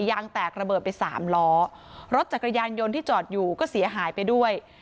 ยางแตกระเบิดไปสามล้อรถจักรยานยนต์ที่จอดอยู่ก็เสียหายไปด้วย